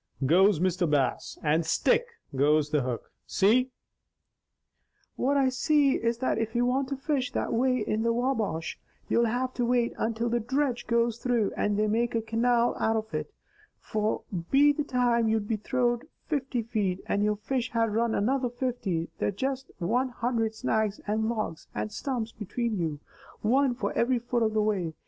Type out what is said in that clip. goes Mr. Bass, and 'stick!' goes the hook. See?" "What I see is that if you want to fish that way in the Wabash, you'll have to wait until the dredge goes through and they make a canal out of it; for be the time you'd throwed fifty feet, and your fish had run another fifty, there'd be just one hundred snags, and logs, and stumps between you; one for every foot of the way.